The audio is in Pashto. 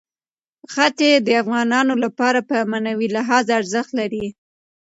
ښتې د افغانانو لپاره په معنوي لحاظ ارزښت لري.